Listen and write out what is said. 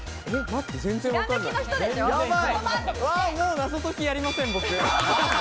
謎解きやりません、僕。